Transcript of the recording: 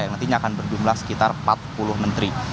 yang nantinya akan berjumlah sekitar empat puluh menteri